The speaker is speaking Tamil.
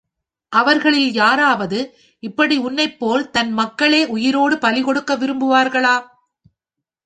அவர்களில் யாராவது இப்படி உன்னைப் போல் தன் மக்களே உயிரோடு பலிகொடுக்க விரும்புவார்களா?